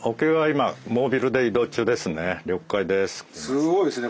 すごいですね。